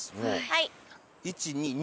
はい。